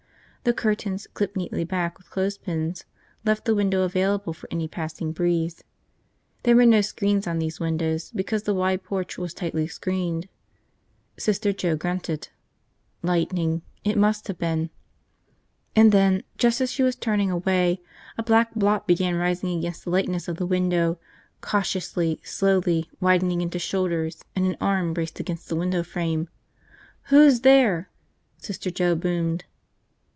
The curtains, clipped neatly back with clothespins, left the window available for any passing breeze. There were no screens on these windows because the wide porch was tightly screened. Sister Joe grunted. Lightning, it must have been. And then, just as she was turning away, a black blot began rising against the lightness of the window, cautiously, slowly widening into shoulders and an arm braced against the window frame. "Who's there?" Sister Joe boomed.